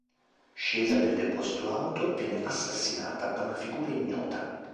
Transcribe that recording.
Scesa nel deposito auto, viene assassinata da una figura ignota.